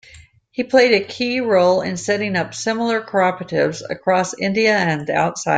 He played a key role in setting up similar cooperatives across India and outside.